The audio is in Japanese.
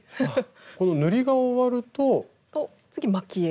この塗りが終わると。と次蒔絵。